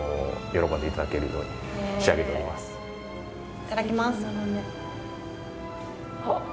いただきます。